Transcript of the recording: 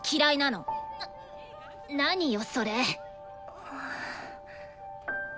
何よそれ。